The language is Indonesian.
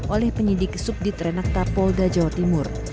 oleh penyidik subdit renakta polda jawa timur